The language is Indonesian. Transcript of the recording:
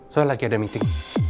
soalnya lagi ada meeting